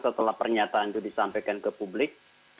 setelah pernyataan itu disampaikan ke publik